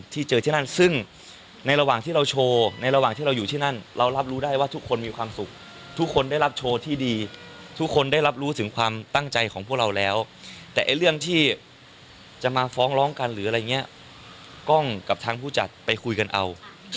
ที่เจอที่นั่นซึ่งในระหว่างที่เราโชว์ในระหว่างที่เราอยู่ที่นั่นเรารับรู้ได้ว่าทุกคนมีความสุขทุกคนได้รับโชว์ที่ดีทุกคนได้รับรู้ถึงความตั้งใจของพวกเราแล้วแต่เรื่องที่จะมาฟ้องร้องกันหรืออะไรอย่างนี้กล้องกับทางผู้จัดไปคุยกันเอา